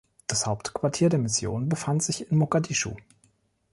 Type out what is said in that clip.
Das Hauptquartier der Mission befand sich in Mogadischu.